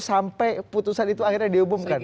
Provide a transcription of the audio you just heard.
sampai putusan itu akhirnya diumumkan